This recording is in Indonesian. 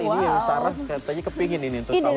ini yang sarah katanya kepengen ini untuk tahun depan